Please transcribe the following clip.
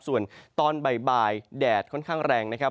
ส่วนตอนบ่ายแดดค่อนข้างแรงนะครับ